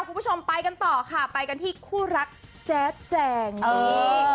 คุณผู้ชมไปกันต่อค่ะไปกันที่คู่รักแจ๊ดแจงนี่